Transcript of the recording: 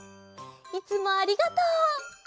いつもありがとう。